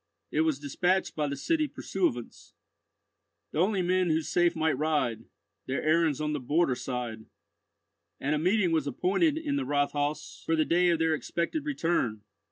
It was despatched by the city pursuivants— The only men who safe might ride; Their errands on the border side; and a meeting was appointed in the Rathhaus for the day of their expected return.